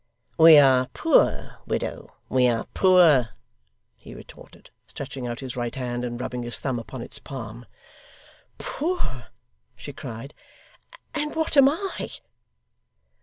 'We are poor, widow, we are poor,' he retorted, stretching out his right hand, and rubbing his thumb upon its palm. 'Poor!' she cried. 'And what am I?